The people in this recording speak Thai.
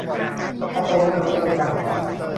กระโปรงหน้ารถไม่ได้สร้างพระ